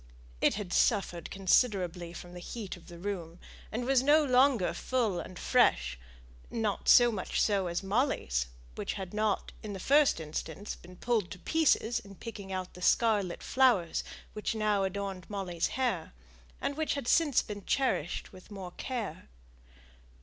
It had suffered considerably from the heat of the room, and was no longer full and fresh; not so much so as Molly's, which had not, in the first instance, been pulled to pieces in picking out the scarlet flowers which now adorned Molly's hair, and which had since been cherished with more care.